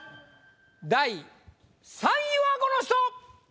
第３位はこの人！